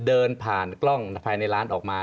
เดินผ่านกล้องภายในร้านออกมา